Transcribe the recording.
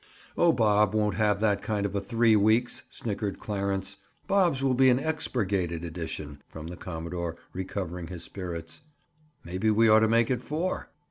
"Oh, Bob won't have that kind of a 'three weeks,'" snickered Clarence. "Bob's will be an expurgated edition," from the commodore, recovering his spirits. "Maybe we ought to make it four?"